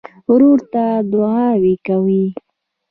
ورور ته دعاوې کوې.